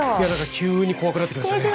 急に怖くなってきましたね。